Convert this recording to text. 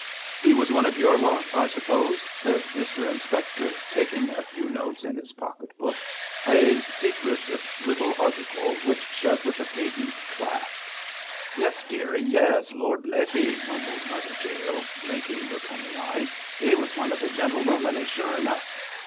'He was one of your lot, I suppose?' said Mr Inspector, taking a few notes in his pocket book a secretive little article which shut with a patent clasp. 'Yes, dearie, yes! Lord bless 'ee,' mumbled Mother Jael, blinking her cunning eyes, 'he was one of the gentle Romany sure enough.'